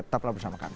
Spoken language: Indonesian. tetaplah bersama kami